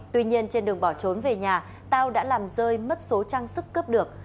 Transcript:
tuy nhiên trên đường bỏ trốn về nhà tao đã làm rơi mất số trang sức cướp được